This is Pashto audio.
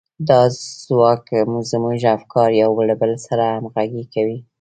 دا ځواک زموږ افکار يو له بل سره همغږي کوي.